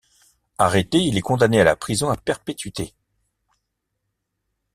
Arrêté, il est condamné à la prison à perpétuité.